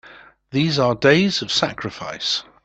These are days of sacrifice!